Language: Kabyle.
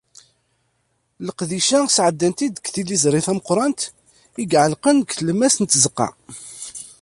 Leqdic-a, sɛeddan-t-id deg tiliẓri tameqqrant i iɛellqen deg tlemmast n tzeqqa.